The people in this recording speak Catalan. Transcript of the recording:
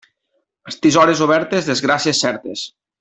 Estisores obertes, desgràcies certes.